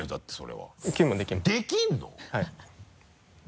はい。